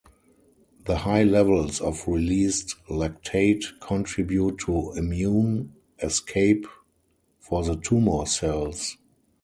The high levels of released lactate contribute to immune escape for the tumor cells.